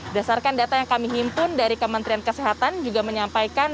dasarkan data yang kami himpun dari kementerian kesehatan juga menyampaikan